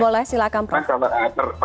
boleh silakan prof